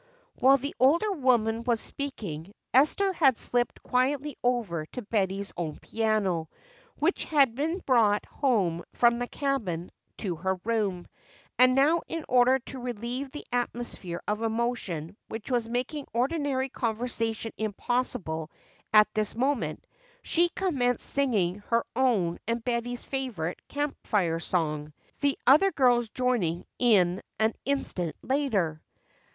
While the older woman was speaking, Esther had slipped quietly over to Betty's own piano, which had been brought home from the cabin to her room, and now in order to relieve the atmosphere of emotion which was making ordinary conversation impossible at this moment, she commenced singing her own and Betty's favorite Camp Fire song, the other girls joining in an instant later.